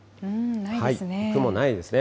雲ないですね。